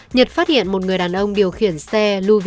nhật phát hiện một người đàn ông điều khiển xe